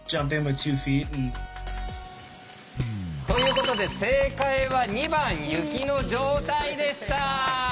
ということで正解は２番「雪の状態」でした！